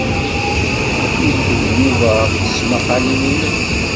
Yukel Yuba ɣef tesmaqqalin-nnes.